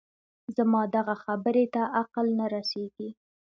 زما دغه خبرې ته عقل نه رسېږي